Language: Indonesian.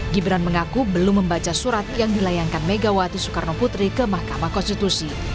gibran mengaku belum membaca surat yang dilayangkan megawati soekarno putri ke mahkamah konstitusi